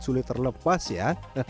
sulit terlepas ya